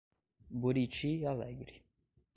Buriti Alegre